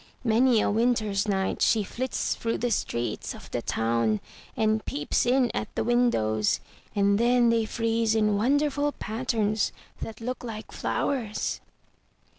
Many a winter's night she flits through the streets of the town, and peeps in at the windows; and then they freeze in wonderful patterns that look like flowers."